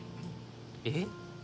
えっ？